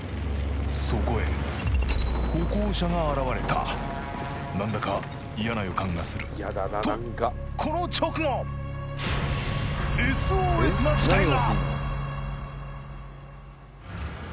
そこへ歩行者が現れた何だか嫌な予感がするとこの直後ＳＯＳな事態が！